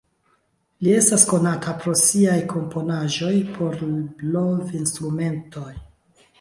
Li estas konata pro siaj komponaĵoj por blovinstrumentoj.